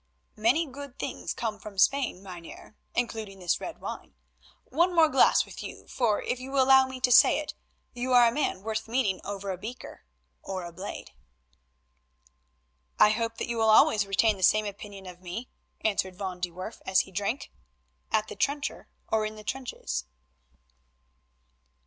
"Many good things come from Spain, Mynheer, including this red wine. One more glass with you, for, if you will allow me to say it, you are a man worth meeting over a beaker—or a blade." "I hope that you will always retain the same opinion of me," answered Van de Werff as he drank, "at the trencher or in the trenches."